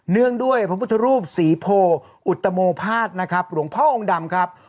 เนื่องด้วยพระพุทธรูปศรีโพอุตโมภาษนะครับหลวงพ่อองค์ดำครับ